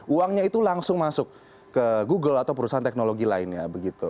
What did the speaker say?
uangnya itu langsung masuk ke google atau perusahaan teknologi lainnya begitu